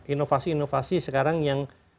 inovasi inovasi sekarang yang